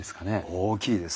大きいです。